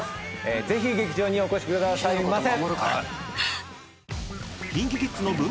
ぜひ劇場にお越しくださいませ！